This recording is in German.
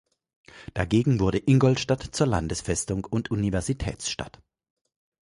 Dagegen wurde Ingolstadt zur Landesfestung und Universitätsstadt.